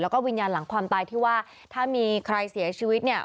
แล้วก็วิญญาณหลังความตายที่ว่าถ้ามีใครเสียชีวิตเนี่ย